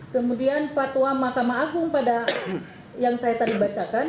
kemudian fatwa mahkamah agung pada yang saya tadi bacakan